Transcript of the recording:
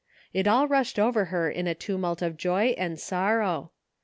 It all rushed over her in a tumult of joy and sorrow.